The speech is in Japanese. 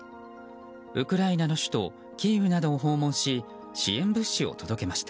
ウクライナの首都キーウなどを訪問し支援物資を届けました。